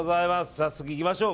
早速行きましょう。